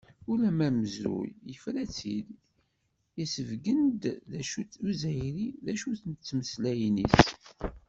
Ulamma amezruy, yefra-tt-id, isebggen-d d acu-t Uzzayri, d acu-tent tmeslayin-is.